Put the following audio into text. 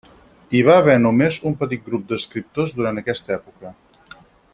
Hi va haver només un petit grup d'escriptors durant aquesta època.